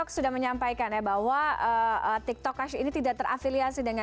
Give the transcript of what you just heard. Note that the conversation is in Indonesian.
selamat malam mbak tiffany